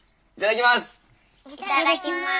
いただきます！